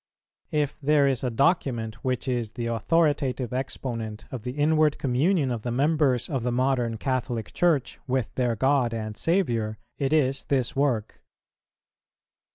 If there is a document which is the authoritative exponent of the inward communion of the members of the modern Catholic Church with their God and Saviour, it is this work.